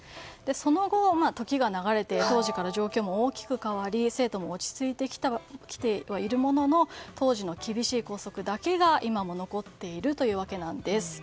その後、時が流れて当時から状況も大きく変わり生徒も落ち着いてきてはいるものの当時の厳しい校則だけが今も残っているというわけです。